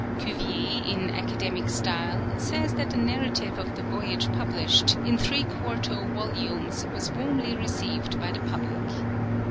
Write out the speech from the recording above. Cuvier, in academic style, says that the narrative of the voyage published, in three quarto volumes, was warmly received by the public.